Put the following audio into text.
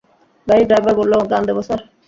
গাড়ির ড্রাইভার বলল, গান দেব স্যার?